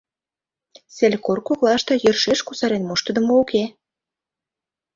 Селькор коклаште йӧршеш кусарен моштыдымо уке.